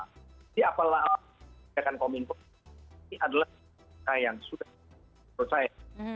jadi apalah pengembangan komi imposan ini adalah yang sudah percaya